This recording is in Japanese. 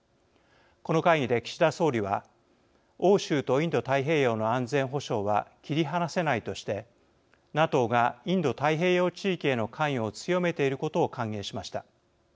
この会議で岸田総理は欧州とインド太平洋の安全保障は切り離せないとしてＮＡＴＯがインド太平洋地域への関与を強めていることを歓迎しました。